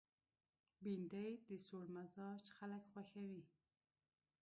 بېنډۍ د سوړ مزاج خلک خوښوي